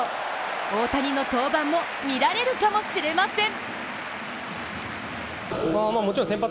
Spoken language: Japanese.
大谷の登板も見られるかもしれません。